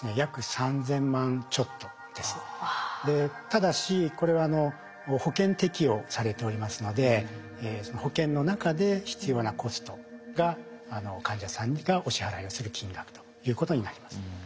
ただしこれは保険適用されておりますので保険の中で必要なコストが患者さんがお支払いをする金額ということになります。